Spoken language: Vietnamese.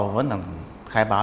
vẫn là khai báo